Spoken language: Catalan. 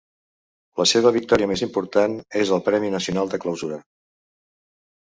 La seva victòria més important és al Premi Nacional de Clausura.